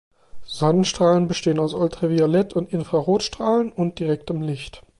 Sonnenstrahlen bestehen aus Ultraviolett- und Infrarotstrahlen und direktem Licht.